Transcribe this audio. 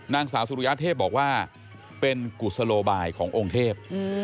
นางสาวสุริยเทพบอกว่าเป็นกุศโลบายขององค์เทพ